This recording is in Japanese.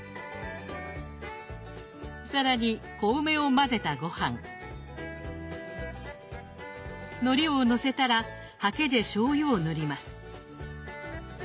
更に小梅を混ぜたごはんのりをのせたらハケでしょうゆを塗ります。